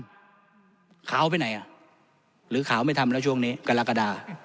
ดำขาวไปไหนอ่ะหรือขาวไม่ทำแล้วช่วงนี้กระละกระดาษ